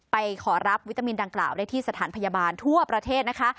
ไปขอรับวิตามินดังกล่าวได้ที่สถานพยาบาลทั่วประเทศนะคะ